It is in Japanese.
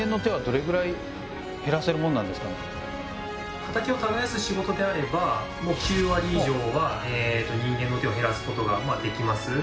最終的には畑を耕す仕事であればもう９割以上は人間の手を減らすことができます。